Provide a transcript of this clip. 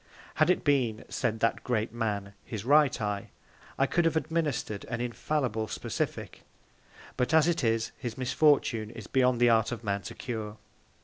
Had it been, said that Great Man, his right Eye, I could have administred an infallible Specific; but as it is, his Misfortune is beyond the Art of Man to cure.